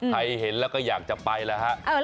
เห็นแล้วก็อยากจะไปแล้วฮะ